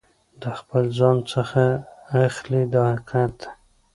د خپل ځان څخه اخلي دا حقیقت دی.